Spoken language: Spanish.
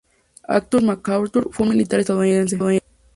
Arthur MacArthur, fue un militar estadounidense.